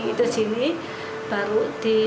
itu sini baru